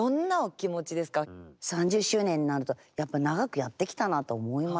３０周年になるとやっぱ長くやってきたなと思います。